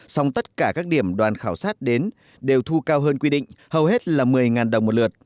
song tất cả các điểm đoàn khảo sát đến đều thu cao hơn quy định hầu hết là một mươi đồng một lượt